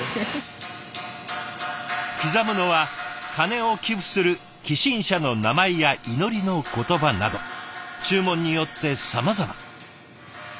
刻むのは鐘を寄付する寄進者の名前や祈りの言葉など注文によってさまざま。